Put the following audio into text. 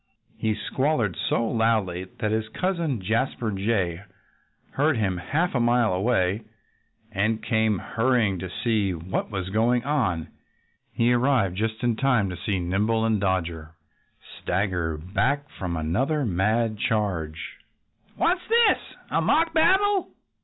He squalled so loudly that his cousin Jasper Jay heard him half a mile away and came hurrying up to see what was going on. He arrived just in time to see Nimble and Dodger stagger back from another mad charge. "What's this? A mock battle?"